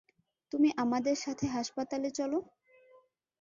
তুমি আমাদের সাথে হাসপাতালে চলো!